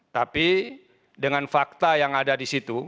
tapi dengan fakta yang ada di situ